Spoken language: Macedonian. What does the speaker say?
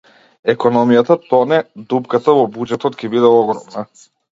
Економијата тоне, дупката во буџетот ќе биде огромна